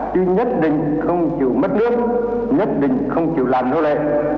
tuy nhất định không chịu mất nước nhất định không chịu làm nô lệ